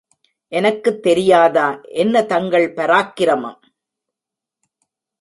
எனக்குத் தெரியாதா என்ன தங்கள் பராக்கிரமம்?